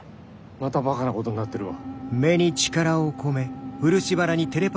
またバカなことになってるわ。